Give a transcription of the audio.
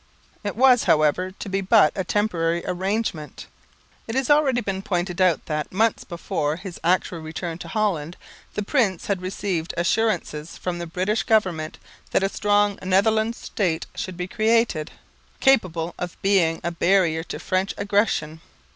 It was, however, to be but a temporary arrangement. It has already been pointed out that, months before his actual return to Holland, the prince had received assurances from the British government that a strong Netherland State should be created, capable of being a barrier to French aggression.